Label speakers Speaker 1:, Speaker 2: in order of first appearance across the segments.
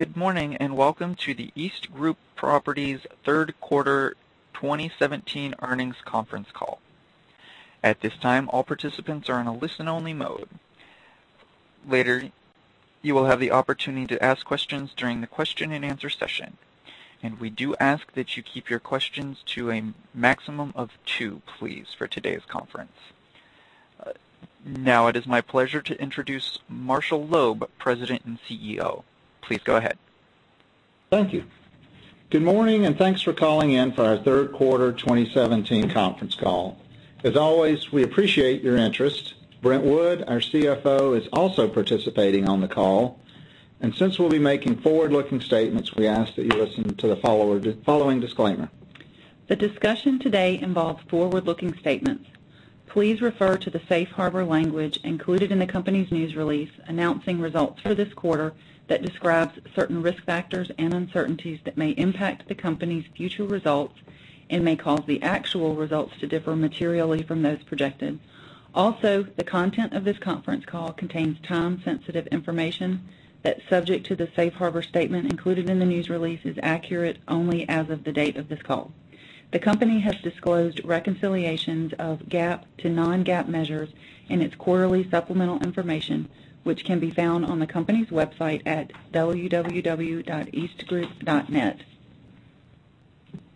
Speaker 1: Good morning, welcome to the EastGroup Properties third quarter 2017 earnings conference call. At this time, all participants are in a listen-only mode. Later, you will have the opportunity to ask questions during the question and answer session. We do ask that you keep your questions to a maximum of two, please, for today's conference. Now it is my pleasure to introduce Marshall Loeb, President and CEO. Please go ahead.
Speaker 2: Thank you. Good morning. Thanks for calling in for our third quarter 2017 conference call. As always, we appreciate your interest. Brent Wood, our CFO, is also participating on the call. Since we'll be making forward-looking statements, we ask that you listen to the following disclaimer.
Speaker 3: The discussion today involves forward-looking statements. Please refer to the safe harbor language included in the company's news release announcing results for this quarter that describes certain risk factors and uncertainties that may impact the company's future results and may cause the actual results to differ materially from those projected. The content of this conference call contains time-sensitive information that's subject to the safe harbor statement included in the news release is accurate only as of the date of this call. The company has disclosed reconciliations of GAAP to non-GAAP measures in its quarterly supplemental information, which can be found on the company's website at www.eastgroup.net.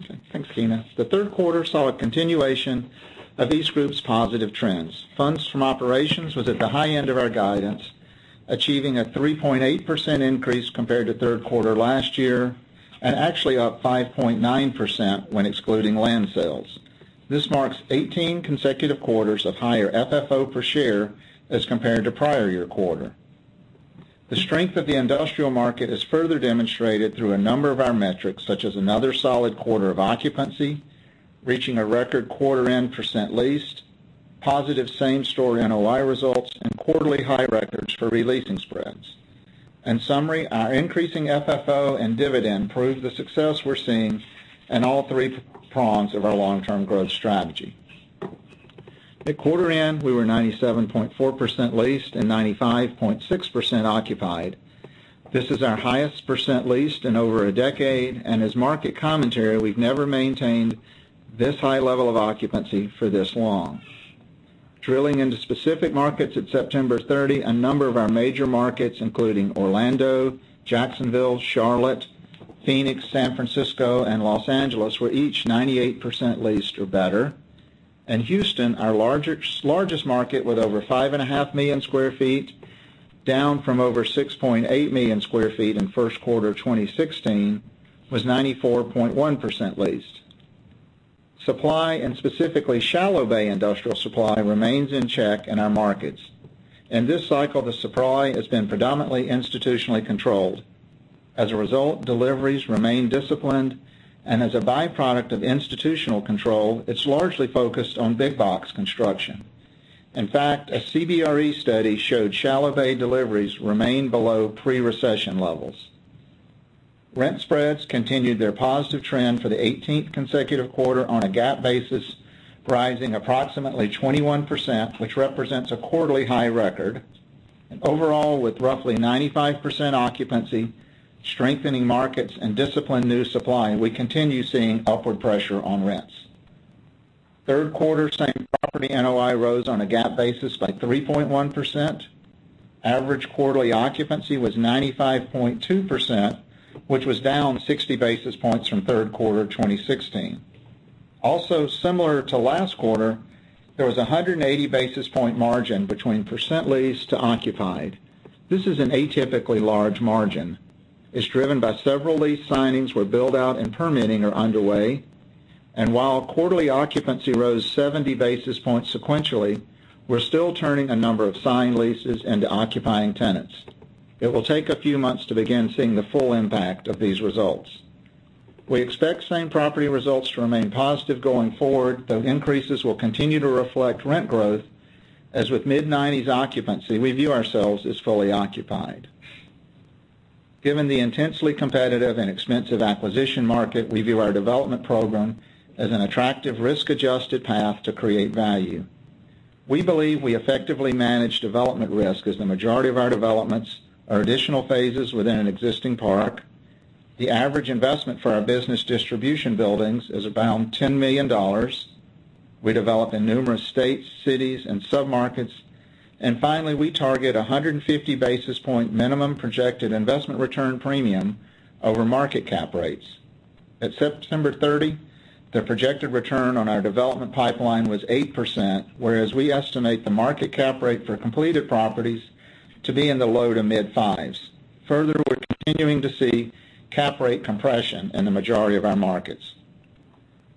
Speaker 2: Okay. Thanks, Tina. The third quarter saw a continuation of EastGroup's positive trends. Funds From Operations was at the high end of our guidance, achieving a 3.8% increase compared to third quarter last year, actually up 5.9% when excluding land sales. This marks 18 consecutive quarters of higher FFO per share as compared to prior year quarter. The strength of the industrial market is further demonstrated through a number of our metrics, such as another solid quarter of occupancy, reaching a record quarter-end percent leased, positive same-store NOI results, and quarterly high records for re-leasing spreads. In summary, our increasing FFO and dividend prove the success we're seeing in all three prongs of our long-term growth strategy. At quarter end, we were 97.4% leased and 95.6% occupied. This is our highest percent leased in over a decade. As market commentary, we've never maintained this high level of occupancy for this long. Drilling into specific markets at September 30, a number of our major markets, including Orlando, Jacksonville, Charlotte, Phoenix, San Francisco, and Los Angeles, were each 98% leased or better. Houston, our largest market with over 5.5 million square feet, down from over 6.8 million square feet in first quarter of 2016, was 94.1% leased. Supply, specifically shallow bay industrial supply, remains in check in our markets. In this cycle, the supply has been predominantly institutionally controlled. As a result, deliveries remain disciplined. As a byproduct of institutional control, it's largely focused on big box construction. In fact, a CBRE study showed shallow bay deliveries remain below pre-recession levels. Rent spreads continued their positive trend for the 18th consecutive quarter on a GAAP basis, rising approximately 21%, which represents a quarterly high record. Overall, with roughly 95% occupancy, strengthening markets, and disciplined new supply, we continue seeing upward pressure on rents. third quarter same property NOI rose on a GAAP basis by 3.1%. Average quarterly occupancy was 95.2%, which was down 60 basis points from third quarter 2016. Also, similar to last quarter, there was 180 basis point margin between percent leased to occupied. This is an atypically large margin. It's driven by several lease signings where build-out and permitting are underway. While quarterly occupancy rose 70 basis points sequentially, we're still turning a number of signed leases into occupying tenants. It will take a few months to begin seeing the full impact of these results. We expect same-property results to remain positive going forward, though increases will continue to reflect rent growth. As with mid-'90s occupancy, we view ourselves as fully occupied. Given the intensely competitive and expensive acquisition market, we view our development program as an attractive risk-adjusted path to create value. We believe we effectively manage development risk as the majority of our developments are additional phases within an existing park. The average investment for our business distribution buildings is around $10 million. We develop in numerous states, cities, and submarkets. Finally, we target 150 basis point minimum projected investment return premium over market cap rates. At September 30, the projected return on our development pipeline was 8%, whereas we estimate the market cap rate for completed properties to be in the low to mid-fives. Further, we're continuing to see cap rate compression in the majority of our markets.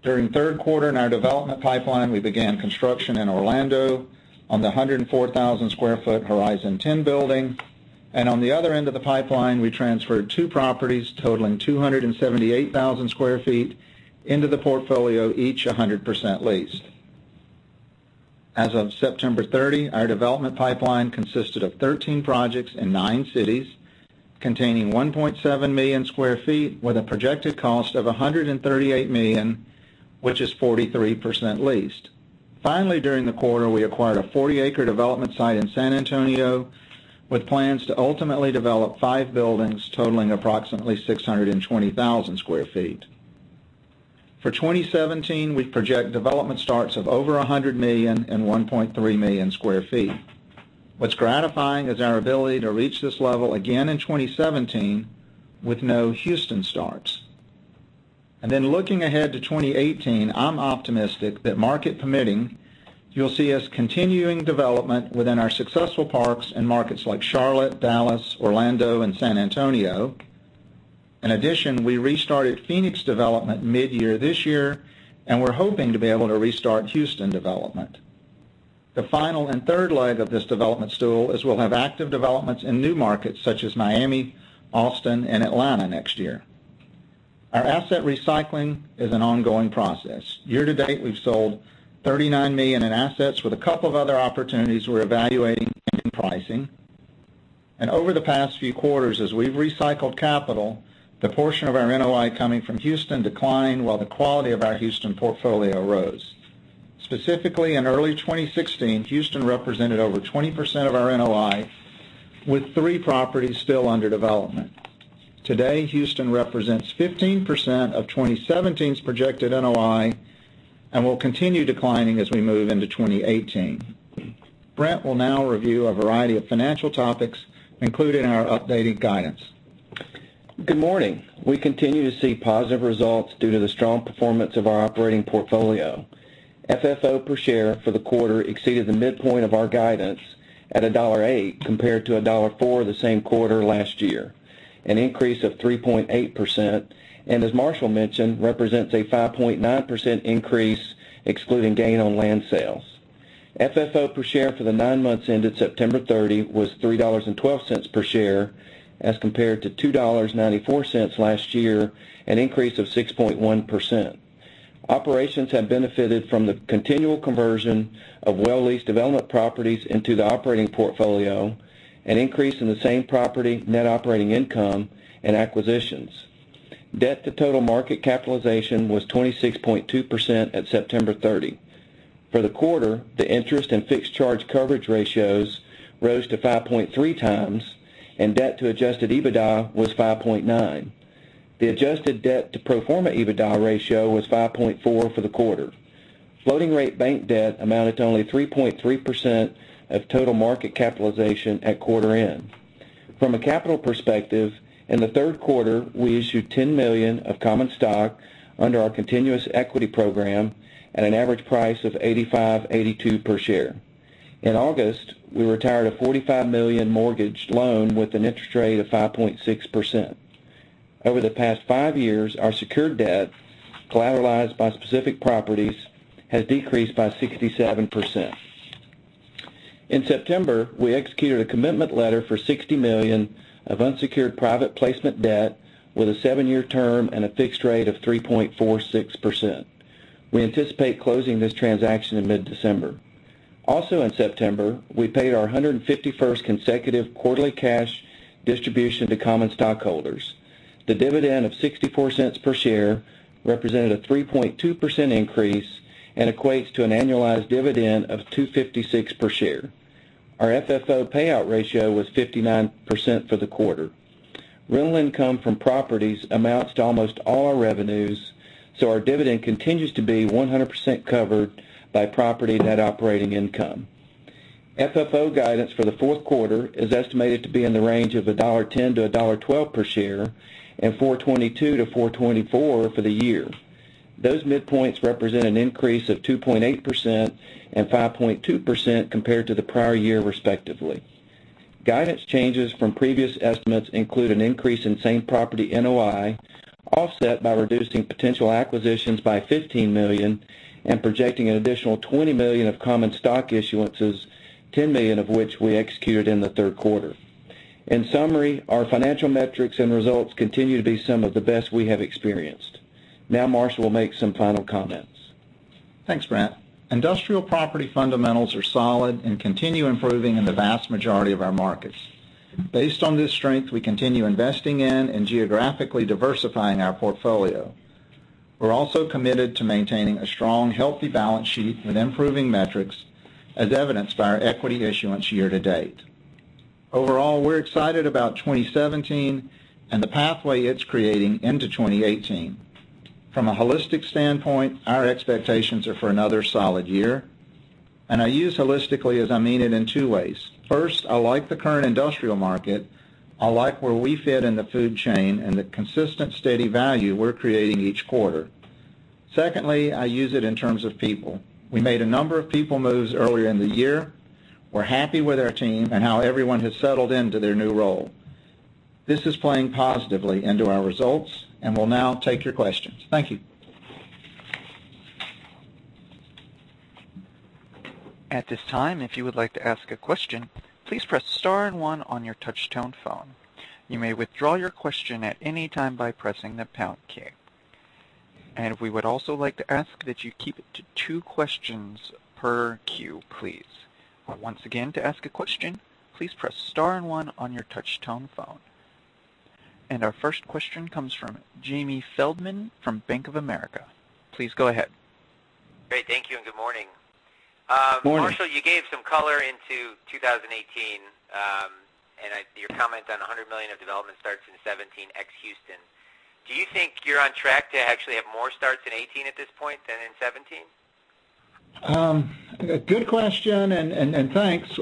Speaker 2: During third quarter in our development pipeline, we began construction in Orlando on the 104,000 square foot Horizon 10 building. On the other end of the pipeline, we transferred two properties totaling 278,000 square feet into the portfolio, each 100% leased. As of September 30, our development pipeline consisted of 13 projects in nine cities, containing 1.7 million square feet, with a projected cost of $138 million, which is 43% leased. Finally, during the quarter, we acquired a 40-acre development site in San Antonio, with plans to ultimately develop five buildings totaling approximately 620,000 square feet. For 2017, we project development starts of over $100 million and 1.3 million square feet. What's gratifying is our ability to reach this level again in 2017 with no Houston starts. Looking ahead to 2018, I'm optimistic that, market permitting, you'll see us continuing development within our successful parks and markets like Charlotte, Dallas, Orlando, and San Antonio. In addition, we restarted Phoenix development mid-year this year, and we're hoping to be able to restart Houston development. The final and third leg of this development stool is we'll have active developments in new markets such as Miami, Austin, and Atlanta next year. Our asset recycling is an ongoing process. Year-to-date, we've sold $39 million in assets with a couple of other opportunities we're evaluating in pricing. Over the past few quarters, as we've recycled capital, the portion of our NOI coming from Houston declined while the quality of our Houston portfolio rose. Specifically, in early 2016, Houston represented over 20% of our NOI, with three properties still under development. Today, Houston represents 15% of 2017's projected NOI and will continue declining as we move into 2018. Brent will now review a variety of financial topics, including our updated guidance.
Speaker 4: Good morning. We continue to see positive results due to the strong performance of our operating portfolio. FFO per share for the quarter exceeded the midpoint of our guidance at $1.08 compared to $1.04 the same quarter last year, an increase of 3.8%, and as Marshall mentioned, represents a 5.9% increase excluding gain on land sales. FFO per share for the nine months ended September 30 was $3.12 per share as compared to $2.94 last year, an increase of 6.1%. Operations have benefited from the continual conversion of well-leased development properties into the operating portfolio, an increase in the same-property net operating income, and acquisitions. Debt to total market capitalization was 26.2% at September 30. For the quarter, the interest and fixed charge coverage ratios rose to 5.3 times, and debt to adjusted EBITDA was 5.9. The adjusted debt to pro forma EBITDA ratio was 5.4 for the quarter. Floating-rate bank debt amounted to only 3.3% of total market capitalization at quarter end. From a capital perspective, in the third quarter, we issued $10 million of common stock under our continuous equity program at an average price of $85.82 per share. In August, we retired a $45 million mortgage loan with an interest rate of 5.6%. Over the past five years, our secured debt, collateralized by specific properties, has decreased by 67%. In September, we executed a commitment letter for $60 million of unsecured private placement debt with a seven-year term and a fixed rate of 3.46%. We anticipate closing this transaction in mid-December. In September, we paid our 151st consecutive quarterly cash distribution to common stockholders. The dividend of $0.64 per share represented a 3.2% increase and equates to an annualized dividend of $2.56 per share. Our FFO payout ratio was 59% for the quarter. Rental income from properties amounts to almost all our revenues, our dividend continues to be 100% covered by property net operating income. FFO guidance for the fourth quarter is estimated to be in the range of $1.10 to $1.12 per share and $4.22 to $4.24 for the year. Those midpoints represent an increase of 2.8% and 5.2% compared to the prior year respectively. Guidance changes from previous estimates include an increase in same property NOI, offset by reducing potential acquisitions by $15 million and projecting an additional $20 million of common stock issuances, $10 million of which we executed in the third quarter. In summary, our financial metrics and results continue to be some of the best we have experienced. Marshall will make some final comments.
Speaker 2: Thanks, Brent. Industrial property fundamentals are solid and continue improving in the vast majority of our markets. Based on this strength, we continue investing in and geographically diversifying our portfolio. We're also committed to maintaining a strong, healthy balance sheet with improving metrics, as evidenced by our equity issuance year-to-date. Overall, we're excited about 2017 and the pathway it's creating into 2018. From a holistic standpoint, our expectations are for another solid year. I use holistically as I mean it in two ways. First, I like the current industrial market, I like where we fit in the food chain, and the consistent steady value we're creating each quarter. Secondly, I use it in terms of people. We made a number of people moves earlier in the year. We're happy with our team and how everyone has settled into their new role. This is playing positively into our results, we'll now take your questions. Thank you.
Speaker 1: At this time, if you would like to ask a question, please press star and one on your touchtone phone. You may withdraw your question at any time by pressing the pound key. We would also like to ask that you keep it to two questions per queue, please. Once again, to ask a question, please press star and one on your touchtone phone. Our first question comes from Jamie Feldman from Bank of America. Please go ahead.
Speaker 5: Great. Thank you, and good morning.
Speaker 2: Morning.
Speaker 5: Marshall, you gave some color into 2018, and your comment on $100 million of development starts in 2017, ex Houston. Do you think you're on track to actually have more starts in 2018 at this point than in 2017?
Speaker 2: Good question, and thanks.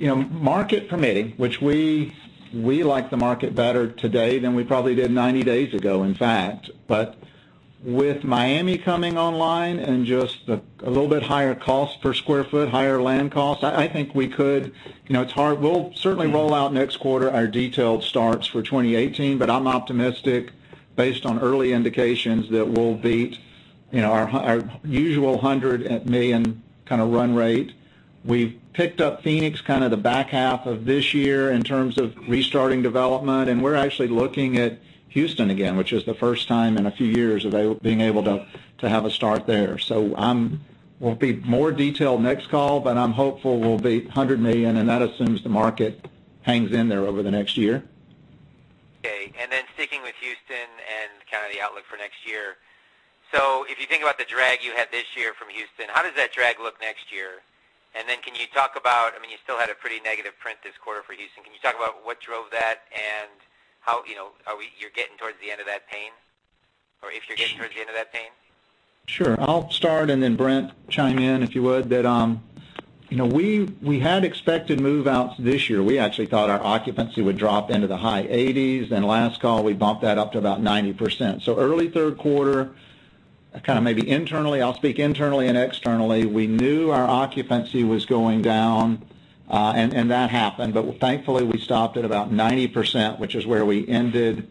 Speaker 2: Market permitting, which we like the market better today than we probably did 90 days ago, in fact. With Miami coming online and just a little bit higher cost per square foot, higher land costs, I think we could. We'll certainly roll out next quarter our detailed starts for 2018. I'm optimistic based on early indications that we'll beat our usual $100 million kind of run rate. We've picked up Phoenix kind of the back half of this year in terms of restarting development, and we're actually looking at Houston again, which is the first time in a few years of being able to have a start there. We'll be more detailed next call, but I'm hopeful we'll be $100 million, and that assumes the market hangs in there over the next year.
Speaker 5: Okay. Sticking with Houston and kind of the outlook for next year. If you think about the drag you had this year from Houston, how does that drag look next year? Can you talk about, I mean, you still had a pretty negative print this quarter for Houston. Can you talk about what drove that and how you're getting towards the end of that pain, or if you're getting towards the end of that pain?
Speaker 2: Sure. I'll start, and then Brent, chime in, if you would. We had expected move-outs this year. We actually thought our occupancy would drop into the high 80s. Last call, we bumped that up to about 90%. Early third quarter, kind of maybe internally, I'll speak internally and externally. We knew our occupancy was going down and that happened. Thankfully, we stopped at about 90%, which is where we ended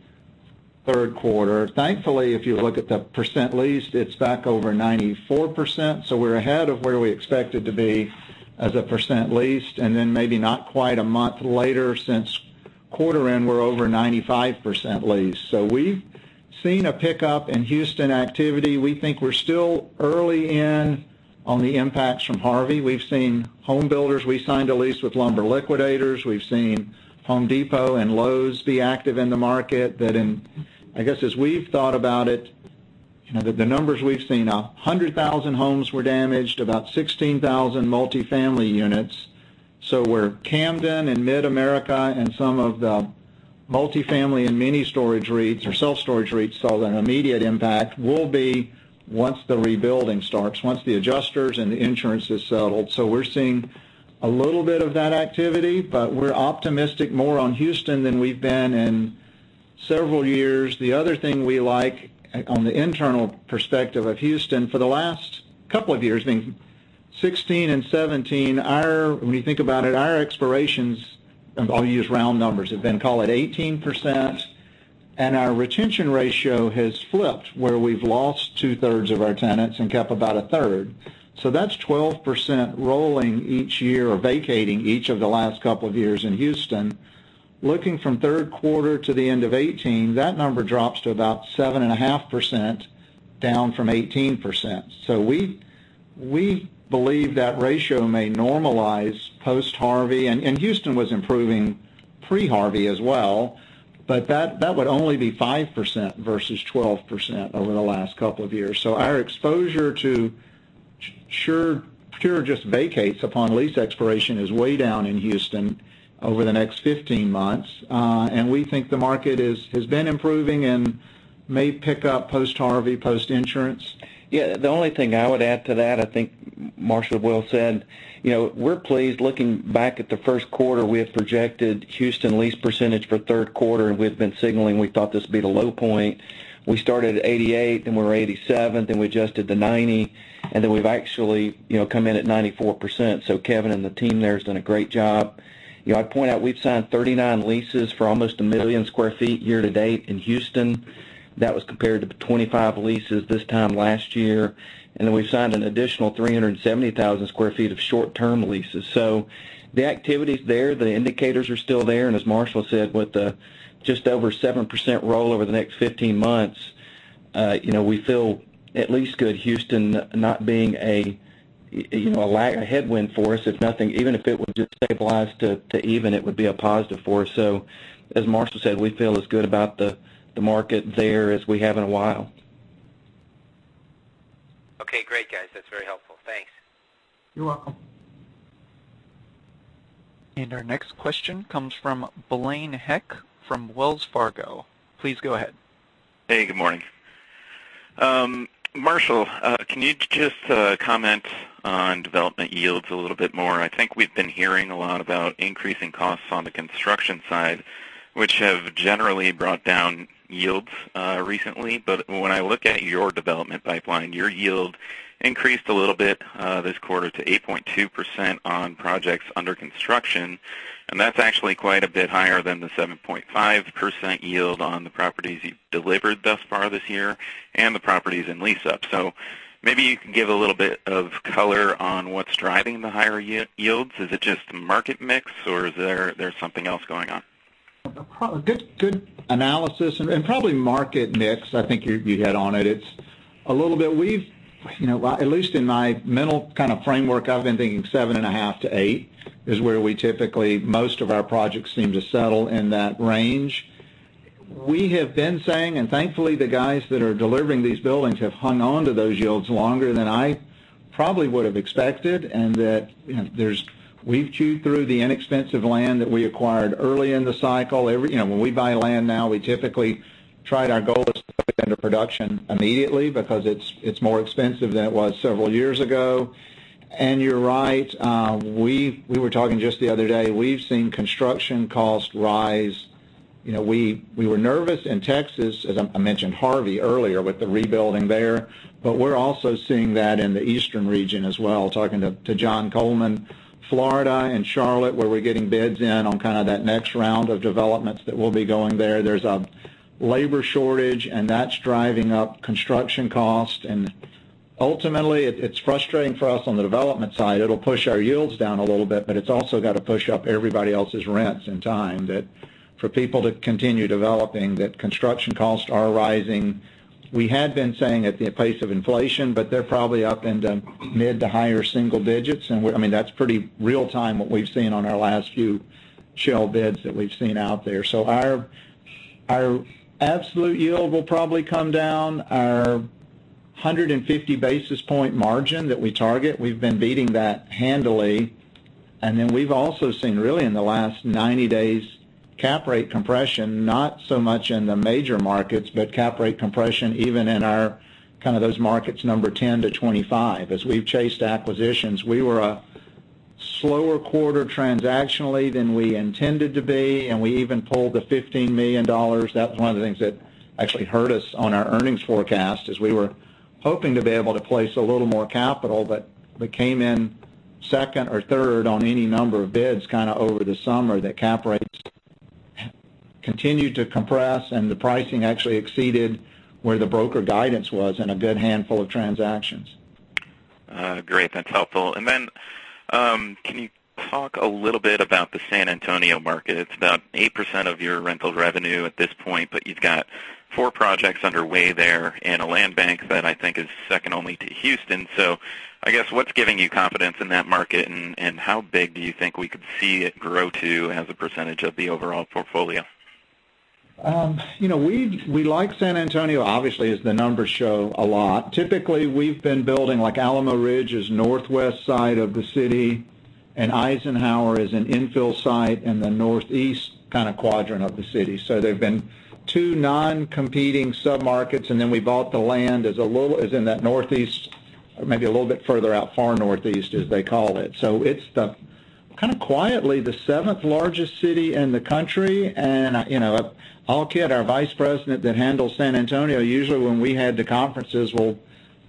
Speaker 2: third quarter. Thankfully, if you look at the percent leased, it's back over 94%. We're ahead of where we expected to be as a percent leased, and then maybe not quite a month later since quarter end, we're over 95% leased. We've seen a pickup in Houston activity. We think we're still early in on the impacts from Harvey. We've seen home builders. We signed a lease with Lumber Liquidators. We've seen The Home Depot and Lowe's be active in the market. That in, I guess, as we've thought about it, the numbers we've seen, 100,000 homes were damaged, about 16,000 multifamily units. Where Camden Property Trust and Mid-America Apartment Communities and some of the multifamily and mini storage REITs or self-storage REITs saw an immediate impact will be once the rebuilding starts, once the adjusters and the insurance is settled. We're seeing a little bit of that activity, but we're optimistic more on Houston than we've been in several years. The other thing we like on the internal perspective of Houston, for the last couple of years, I think 2016 and 2017, when you think about it, our expirations, I'll use round numbers, have been, call it 18%, and our retention ratio has flipped, where we've lost two-thirds of our tenants and kept about a third. That's 12% rolling each year or vacating each of the last couple of years in Houston. Looking from third quarter to the end of 2018, that number drops to about 7.5%, down from 18%. We believe that ratio may normalize post-Harvey, and Houston was improving pre-Harvey as well. That would only be 5% versus 12% over the last couple of years. Our exposure to pure just vacates upon lease expiration is way down in Houston over the next 15 months. We think the market has been improving and may pick up post-Harvey, post-insurance.
Speaker 4: Yeah. The only thing I would add to that, I think Marshall well said. We're pleased looking back at the first quarter, we had projected Houston lease percentage for third quarter, and we had been signaling we thought this would be the low point. We started at 88%, then we were 87%, then we adjusted to 90%, and then we've actually come in at 94%. Kevin and the team there has done a great job. I'd point out we've signed 39 leases for almost 1 million sq ft year to date in Houston. That was compared to the 25 leases this time last year. Then we've signed an additional 370,000 sq ft of short-term leases. The activity's there. The indicators are still there, as Marshall said, with just over 7% roll over the next 15 months, we feel at least good Houston not being a headwind for us. If nothing, even if it were just stabilized to even, it would be a positive for us. As Marshall said, we feel as good about the market there as we have in a while.
Speaker 5: Okay. Great, guys. That's very helpful. Thanks.
Speaker 2: You're welcome.
Speaker 1: Our next question comes from Blaine Heck from Wells Fargo. Please go ahead.
Speaker 6: Hey, good morning. Marshall, can you just comment on development yields a little bit more? I think we've been hearing a lot about increasing costs on the construction side, which have generally brought down yields recently. When I look at your development pipeline, your yield increased a little bit this quarter to 8.2% on projects under construction, and that's actually quite a bit higher than the 7.5% yield on the properties you've delivered thus far this year and the properties in lease-up. Maybe you can give a little bit of color on what's driving the higher yields. Is it just market mix, or is there something else going on?
Speaker 2: Good analysis, probably market mix. I think you hit on it. A little bit. At least in my mental kind of framework, I've been thinking 7.5% to 8%, is where we typically, most of our projects seem to settle in that range. We have been saying, thankfully the guys that are delivering these buildings have hung on to those yields longer than I probably would've expected, and that we've chewed through the inexpensive land that we acquired early in the cycle. When we buy land now, we typically try it. Our goal is to put it into production immediately because it's more expensive than it was several years ago. You're right, we were talking just the other day, we've seen construction costs rise. We were nervous in Texas, as I mentioned Hurricane Harvey earlier with the rebuilding there, but we're also seeing that in the eastern region as well, talking to John Coleman. Florida and Charlotte, where we're getting bids in on kind of that next round of developments that will be going there. There's a labor shortage, and that's driving up construction costs. Ultimately, it's frustrating for us on the development side. It'll push our yields down a little bit, but it's also got to push up everybody else's rents in time that for people to continue developing, that construction costs are rising. We had been saying at the pace of inflation, but they're probably up into mid to higher single digits. That's pretty real time what we've seen on our last few shell bids that we've seen out there. Our absolute yield will probably come down. Our 150 basis point margin that we target, we've been beating that handily. We've also seen, really in the last 90 days, cap rate compression, not so much in the major markets, but cap rate compression even in kind of those markets number 10 to 25. As we've chased acquisitions, we were a slower quarter transactionally than we intended to be, and we even pulled the $15 million. That was one of the things that actually hurt us on our earnings forecast, as we were hoping to be able to place a little more capital, but we came in second or third on any number of bids kind of over the summer, that cap rates continued to compress, and the pricing actually exceeded where the broker guidance was in a good handful of transactions.
Speaker 6: Great. That's helpful. Can you talk a little bit about the San Antonio market? It's about 8% of your rental revenue at this point, but you've got four projects underway there, and a land bank that I think is second only to Houston. What's giving you confidence in that market, and how big do you think we could see it grow to as a percentage of the overall portfolio?
Speaker 2: We like San Antonio, obviously, as the numbers show, a lot. Typically, we've been building like Alamo Ridge is northwest side of the city, and Eisenhower is an infill site in the northeast kind of quadrant of the city. They've been two non-competing sub-markets, we bought the land as in that northeast, maybe a little bit further out, far northeast, as they call it. It's kind of quietly the seventh largest city in the country. I'll kid our vice president that handles San Antonio, usually when we have the conferences will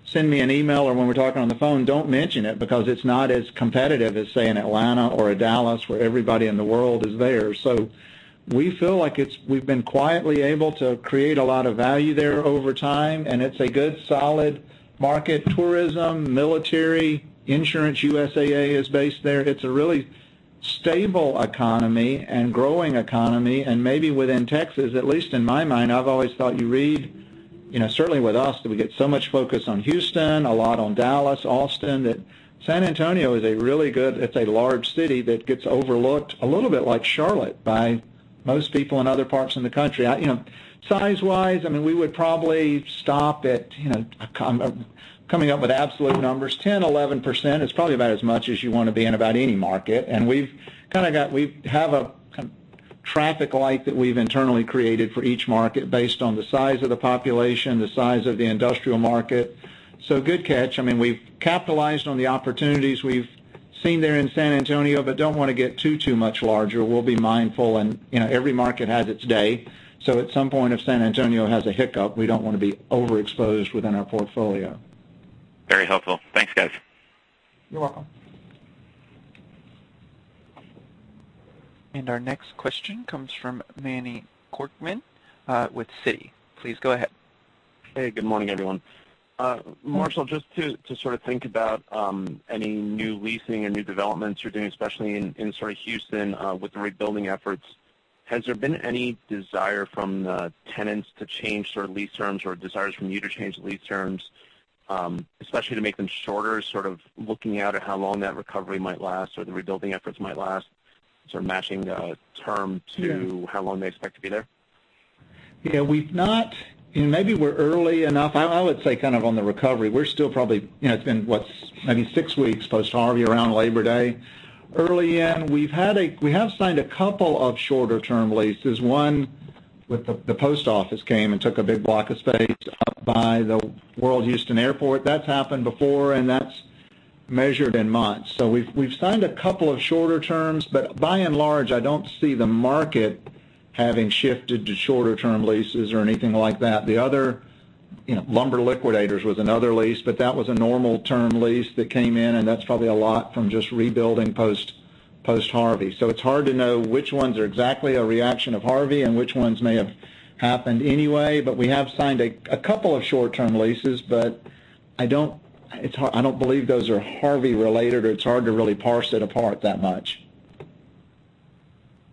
Speaker 2: send me an email or when we're talking on the phone, don't mention it because it's not as competitive as say in Atlanta or Dallas, where everybody in the world is there. We feel like we've been quietly able to create a lot of value there over time, and it's a good solid market. Tourism, military, insurance, USAA is based there. It's a really stable economy and growing economy. Maybe within Texas, at least in my mind, I've always thought you read, certainly with us, that we get so much focus on Houston, a lot on Dallas, Austin, that San Antonio, it's a large city that gets overlooked, a little bit like Charlotte, by most people in other parts in the country. Size-wise, we would probably stop at, coming up with absolute numbers, 10%-11% is probably about as much as you want to be in about any market. We have a traffic light that we've internally created for each market based on the size of the population, the size of the industrial market. Good catch. We've capitalized on the opportunities we've seen there in San Antonio, don't want to get too much larger. We'll be mindful. Every market has its day. At some point, if San Antonio has a hiccup, we don't want to be overexposed within our portfolio.
Speaker 6: Very helpful. Thanks, guys.
Speaker 2: You're welcome.
Speaker 1: Our next question comes from Manny Korchman with Citi. Please go ahead.
Speaker 7: Hey, good morning, everyone. Marshall, just to sort of think about any new leasing or new developments you're doing, especially in sort of Houston with the rebuilding efforts, has there been any desire from the tenants to change sort of lease terms or desires from you to change the lease terms, especially to make them shorter, sort of looking at how long that recovery might last or the rebuilding efforts might last, sort of matching the term to how long they expect to be there?
Speaker 2: Yeah. Maybe we're early enough. I would say kind of on the recovery. It's been, what? Maybe 6 weeks post-Hurricane Harvey, around Labor Day. Early in, we have signed a couple of shorter-term leases. One with the post office came and took a big block of space up by the George Bush Intercontinental Airport. That's happened before, and that's measured in months. We've signed a couple of shorter terms, but by and large, I don't see the market having shifted to shorter-term leases or anything like that. Lumber Liquidators was another lease, but that was a normal-term lease that came in, and that's probably a lot from just rebuilding post-Hurricane Harvey. It's hard to know which ones are exactly a reaction of Hurricane Harvey and which ones may have happened anyway. We have signed a couple of short-term leases, but I don't believe those are Hurricane Harvey-related, or it's hard to really parse it apart that much.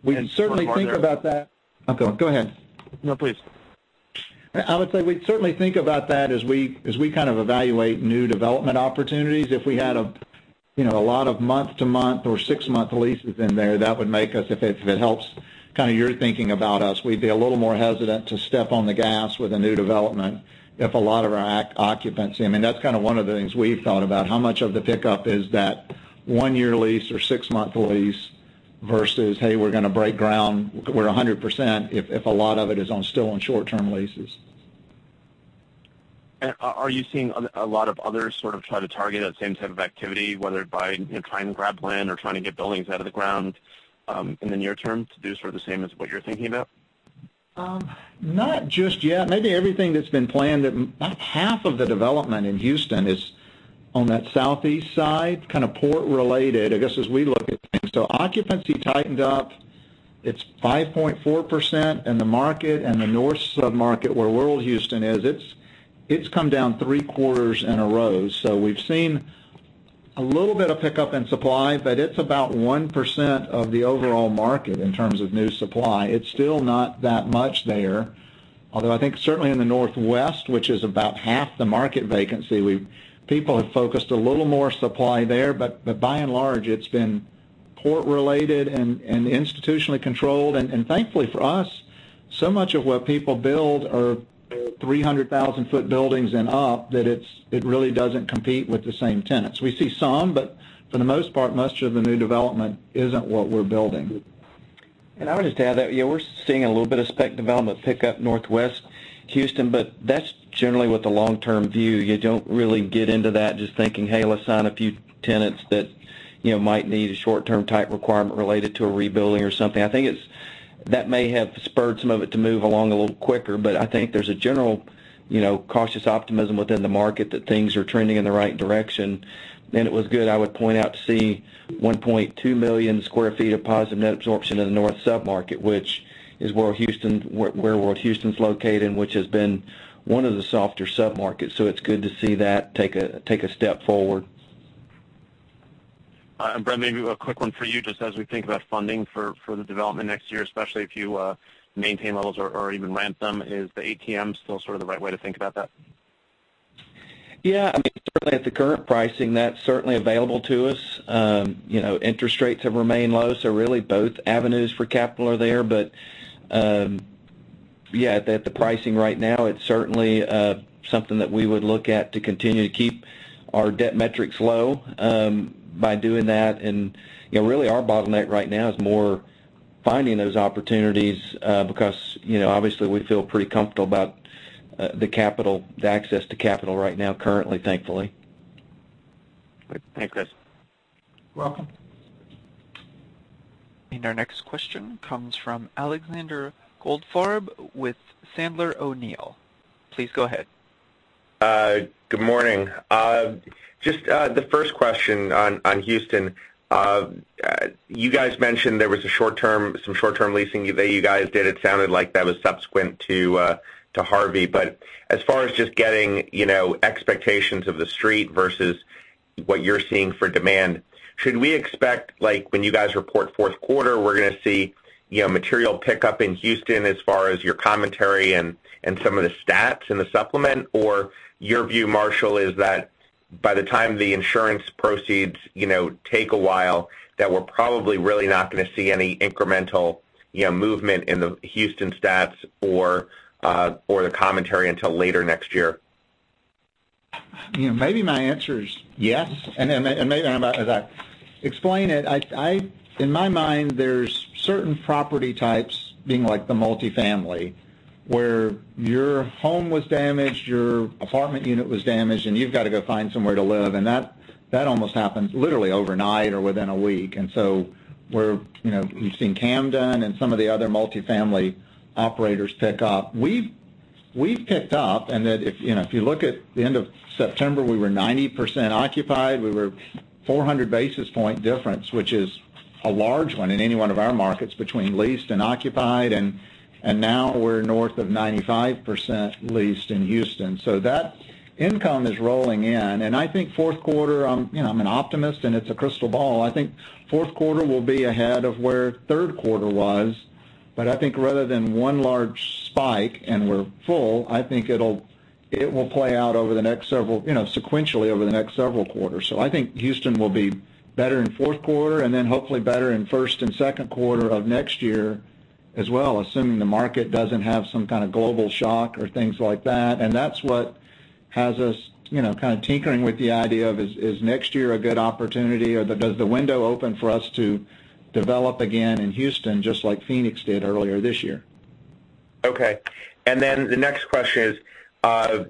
Speaker 2: We certainly think about that. Oh, go ahead.
Speaker 7: No, please.
Speaker 2: I would say we certainly think about that as we kind of evaluate new development opportunities. If we had a lot of month-to-month or 6-month leases in there, that would make us, if it helps kind of your thinking about us, we'd be a little more hesitant to step on the gas with a new development if a lot of our occupants. That's kind of one of the things we've thought about. How much of the pickup is that 1-year lease or 6-month lease versus, hey, we're going to break ground, we're 100%, if a lot of it is still on short-term leases.
Speaker 7: Are you seeing a lot of others sort of try to target that same type of activity, whether by trying to grab land or trying to get buildings out of the ground in the near term to do sort of the same as what you're thinking about?
Speaker 2: Not just yet. Maybe everything that's been planned, about half of the development in Houston is on that southeast side, kind of port-related, I guess, as we look at things. Occupancy tightened up. It's 5.4% in the market and the north sub-market, where World Houston is, it's come down three quarters in a row. We've seen a little bit of pickup in supply, but it's about 1% of the overall market in terms of new supply. It's still not that much there. I think certainly in the northwest, which is about half the market vacancy, people have focused a little more supply there. By and large, it's been port-related and institutionally controlled. Thankfully for us, so much of what people build are 300,000-foot buildings and up, that it really doesn't compete with the same tenants. We see some, but for the most part, most of the new development isn't what we're building.
Speaker 4: I would just add that, yeah, we're seeing a little bit of spec development pick up northwest Houston, but that's generally with a long-term view. You don't really get into that just thinking, "Hey, let's sign a few tenants that might need a short-term type requirement related to a rebuilding or something." I think that may have spurred some of it to move along a little quicker, but I think there's a general cautious optimism within the market that things are trending in the right direction. It was good, I would point out, to see 1.2 million square feet of positive net absorption in the north sub-market, which is where World Houston's located, and which has been one of the softer sub-markets. It's good to see that take a step forward.
Speaker 7: Brent, maybe a quick one for you, just as we think about funding for the development next year, especially if you maintain levels or even ramp them. Is the ATM still sort of the right way to think about that?
Speaker 4: Yeah. Certainly at the current pricing, that's certainly available to us. Really both avenues for capital are there. Yeah, at the pricing right now, it's certainly something that we would look at to continue to keep our debt metrics low by doing that. Really our bottleneck right now is more finding those opportunities, because obviously we feel pretty comfortable about the access to capital right now currently, thankfully.
Speaker 7: Great. Thanks, guys.
Speaker 2: You're welcome.
Speaker 1: Our next question comes from Alexander Goldfarb with Sandler O'Neill. Please go ahead.
Speaker 8: Good morning. Just the first question on Houston. You guys mentioned there was some short-term leasing that you guys did. It sounded like that was subsequent to Harvey. As far as just getting expectations of the street versus what you're seeing for demand, should we expect, like, when you guys report fourth quarter, we're gonna see material pickup in Houston as far as your commentary and some of the stats in the supplement? Or your view, Marshall, is that by the time the insurance proceeds take a while, that we're probably really not gonna see any incremental movement in the Houston stats or the commentary until later next year?
Speaker 2: Maybe my answer is yes. As I explain it, in my mind, there's certain property types, being like the multifamily, where your home was damaged, your apartment unit was damaged, and you've got to go find somewhere to live, and that almost happens literally overnight or within a week. We've seen Camden and some of the other multifamily operators pick up. We've picked up, and if you look at the end of September, we were 90% occupied. We were 400 basis point difference, which is a large one in any one of our markets between leased and occupied. Now we're north of 95% leased in Houston. That income is rolling in. I think fourth quarter, I'm an optimist and it's a crystal ball. I think fourth quarter will be ahead of where third quarter was. I think rather than one large spike and we're full, I think it will play out sequentially over the next several quarters. I think Houston will be better in fourth quarter and then hopefully better in first and second quarter of next year as well, assuming the market doesn't have some kind of global shock or things like that. That's what has us kind of tinkering with the idea of, is next year a good opportunity or does the window open for us to develop again in Houston, just like Phoenix did earlier this year?
Speaker 8: Okay. The next question is